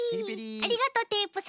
ありがとうテープさん。